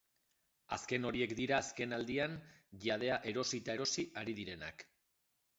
Azken horiek dira azken aldian jadea erosi eta erosi ari direnak.